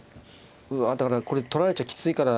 うわだからこれ取られちゃきついから。